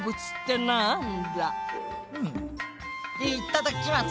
いただきます！